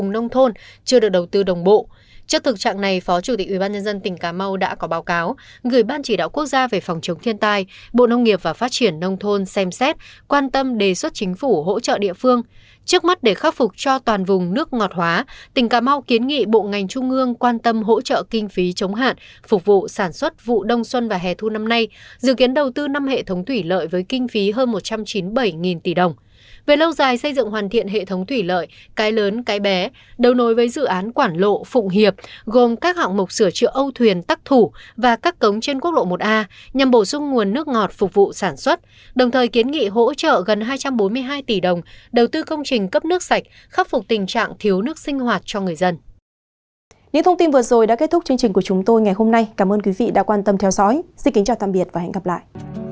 những thông tin vừa rồi đã kết thúc chương trình của chúng tôi ngày hôm nay cảm ơn quý vị đã quan tâm theo dõi xin kính chào tạm biệt và hẹn gặp lại